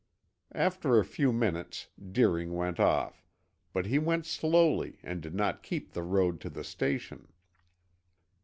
After a few minutes Deering went off, but he went slowly and did not keep the road to the station.